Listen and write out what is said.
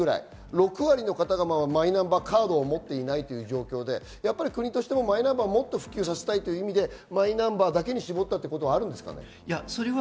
６割の方がマイナンバーカードを持っていない状況で国としてもマイナンバーを普及させたいという意味でマイナンバーだけに絞ったということがあるんですかね？